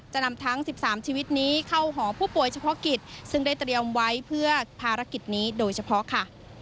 จะนำทั้ง๑๓ชีวิตนี้เข้าหอผู้ป่วยเฉพาะกิจซึ่งได้เตรียมไว้เพื่อภารกิจนี้โดยเฉพาะค่ะ